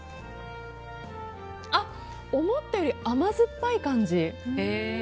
思ったより甘酸っぱい感じ。